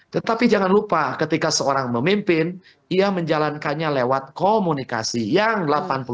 tetapi jangan lupa ketika seorang memimpin ia menjalankannya lewat komunikasi yang delapan puluh adalah verbal itu yang pertama